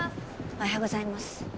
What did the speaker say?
おはようございます